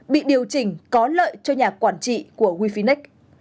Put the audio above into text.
bị điều chỉnh có lợi cho nhà quản trị của wefinic